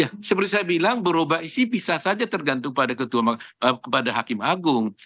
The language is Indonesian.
ya seperti saya bilang berubah isi bisa saja tergantung kepada hakim agung